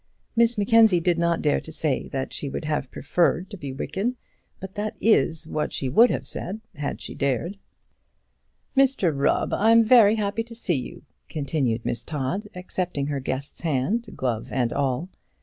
Miss Mackenzie did not dare to say that she would have preferred to be wicked, but that is what she would have said if she had dared. "Mr Rubb, I'm very happy to see you," continued Miss Todd, accepting her guest's hand, glove and all.